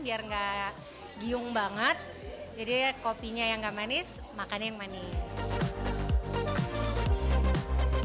biar nggak giung banget jadi kopinya yang gak manis makannya yang manis